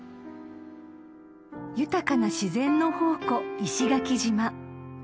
［豊かな自然の宝庫石垣島］